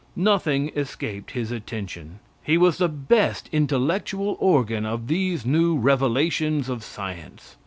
Nothing escaped his attention. He was the best intellectual organ of these new revelations of science.